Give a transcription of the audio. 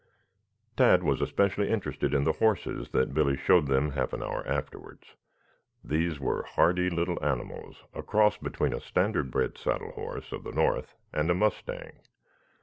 Tad was especially interested in the horses that Billy showed them half an hour afterwards. These were hardy little animals, a cross between a standard bred saddle horse of the north and a mustang.